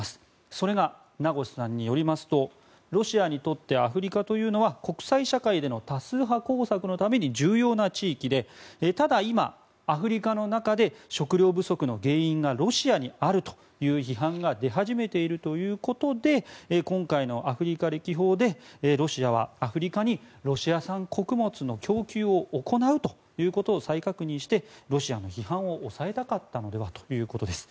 それが、名越さんによりますとロシアにとってアフリカというのは国際社会での多数派工作のために重要な地域でただ、今、アフリカの中で食糧不足の原因がロシアにあるという批判が出始めているということで今回のアフリカ歴訪でロシアはアフリカにロシア産穀物の供給を行うということを再確認して、ロシアの批判を抑えたかったのではということです。